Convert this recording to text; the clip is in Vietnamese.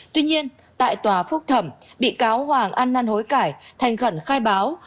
tuy nhiên tại tòa phúc thẩm bị cáo hoàng an năn hối cải thành khẩn khai báo